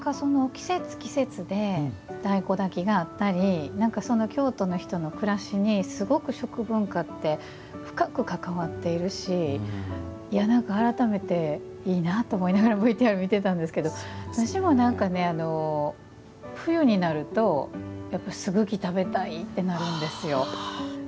季節、季節で京都の人の暮らしにすごく食文化って関わっているし改めて、いいなと思いながらＶＴＲ見てたんですけど私は冬になるとやっぱり、すぐき食べたいってなるんですよ。